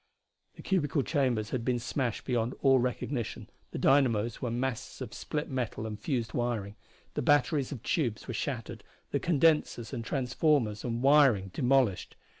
The cubical chambers had been smashed beyond all recognition, the dynamos were masses of split metal and fused wiring, the batteries of tubes were shattered, the condensers and transformers and wiring demolished.